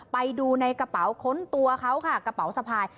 ไปดูในกระเป๋าค้นตัวเขาค่ะกระเป๋าสะพาย